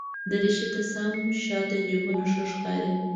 دریشي ته سم شاته جېبونه ښه ښکاري.